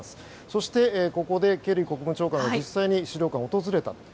そして、ここでケリー国務長官が実際に資料館を訪れた。